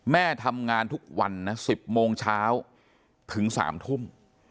แม่ทำงานทุกวันนะ๑๐โมงเช้าถึง๓ทุ่ม